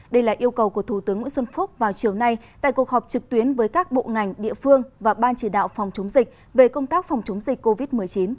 đây là yêu cầu của thủ tướng nguyễn xuân phúc vào chiều nay tại cuộc họp trực tuyến với các bộ ngành địa phương và ban chỉ đạo phòng chống dịch về công tác phòng chống dịch covid một mươi chín